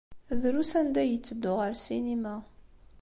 Drus anda ay yetteddu ɣer ssinima.